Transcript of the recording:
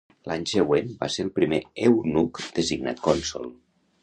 L'any següent, va ser el primer eunuc designat cònsol.